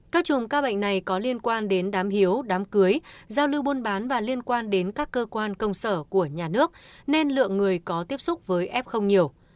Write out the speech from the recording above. các chùm ca bệnh này có liên quan đến đám hiếu đám cưới giao lưu buôn bán và liên quan đến các cơ quan công sở của nhà nước nên lượng người có tiếp xúc với f không nhiều